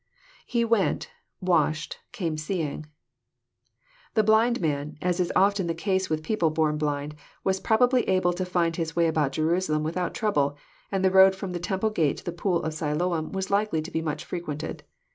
IHe went „wa8hed,„came seeing.'] The blind man, as is often the case with people born blind, was probably able to find his way about Jerusalem without trouble, and the road from the temple gate to the pool of Siloam was likely to be much fre quented.